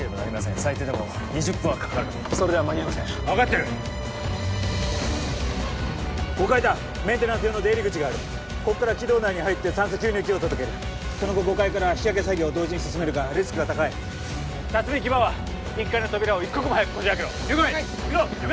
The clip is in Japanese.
最低でも２０分はかかるそれでは間に合いません分かってる５階だメンテナンス用の出入り口があるここから軌道内に入って酸素吸入器を届けるその後５階から引き上げ作業を同時に進めるがリスクが高い辰巳・木場は１階の扉を一刻も早くこじ開けろ了解行くぞ！